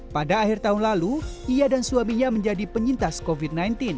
pada akhir tahun lalu ia dan suaminya menjadi penyintas covid sembilan belas